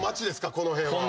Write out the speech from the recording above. この辺は。